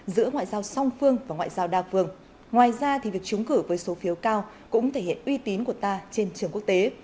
giữa ngoại giao song phương và ngoại giao đa phương ngoài ra việc trúng cử với số phiếu cao cũng thể hiện uy tín của ta trên trường quốc tế